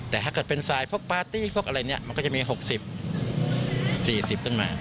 แต่ถ้าเกิดเป็นสายพวกปาร์ตี้พวกอะไรเนี่ยมันก็จะมี๖๐๔๐ขึ้นมา